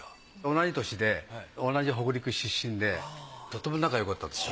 同じ歳で同じ北陸出身でとっても仲よかったんですよ。